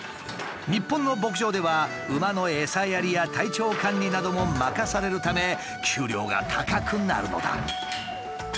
日本の牧場では馬の餌やりや体調管理なども任されるため給料が高くなるのだ。